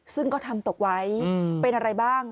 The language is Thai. ซึ่งก็ทำตกไว้เป็นอะไรบ้าง